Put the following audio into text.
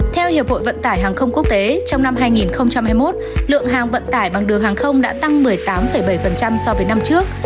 theo hiệp hội vận tải hàng không quốc tế trong năm hai nghìn hai mươi một lượng hàng vận tải bằng đường hàng không đã tăng một mươi tám bảy so với năm trước